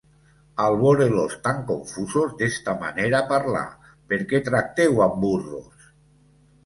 Al vore-los tan confusos, d’esta manera parlà: Per què tracteu amb burros?